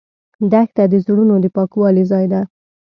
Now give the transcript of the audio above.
دښته د زړونو د پاکوالي ځای ده.